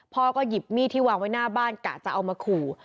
พ่อก็หยิบมีดที่วางไว้หน้าบ้านกะจะเอามาขู่